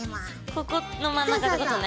ここの真ん中ってことね。